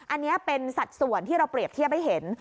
อันนี้เป็นสัดส่วนที่เราเปรียบเทียบให้เห็น